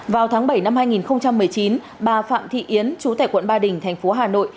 vào tháng bảy năm hai nghìn một mươi chín bà phạm thị yến chú tại quận ba đình thành phố hà nội